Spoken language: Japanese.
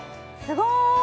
すごーい！